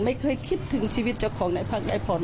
ไม่เคยคิดถึงชีวิตเจ้าของในภาคไอพร